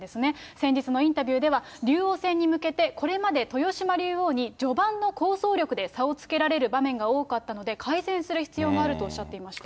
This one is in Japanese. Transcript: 先日のインタビューでは、竜王戦に向けてこれまで豊島竜王に、序盤の構想力で差をつけられる場面が多かったので、改善する必要があるとおっしゃっていました。